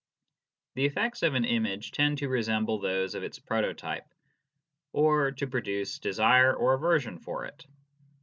The effects of an image tend to resemble those of its proto type, or to produce desire or aversion for it.